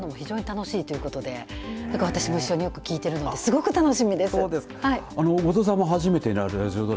そのあと語り合うのも非常に楽しいということで私も一緒によく聞いてるのですごい楽しみです。